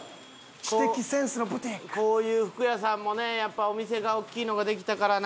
こういう服屋さんもねやっぱお店が大きいのができたからな。